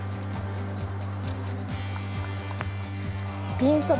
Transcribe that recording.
ピンそば